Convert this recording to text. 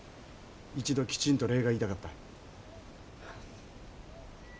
一度きちんと礼が言いたかった。